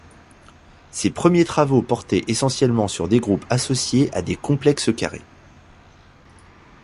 Ses premiers travaux portaient essentiellement sur des groupes associés à des complexes carrés.